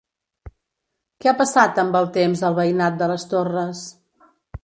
Què ha passat amb el temps al veïnat de les Torres?